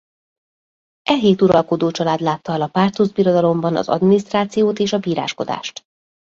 E hét uralkodó család látta el a Pártus Birodalomban az adminisztrációt és a bíráskodást.